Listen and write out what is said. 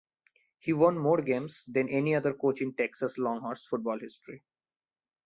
He won more games than any other coach in Texas Longhorns football history.